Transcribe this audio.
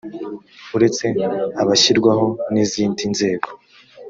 uretse abashyirwaho n izindi nzego